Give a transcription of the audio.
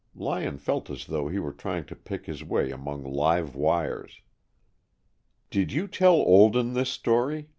Lyon felt as though he were trying to pick his way among live wires. "Did you tell Olden this story?"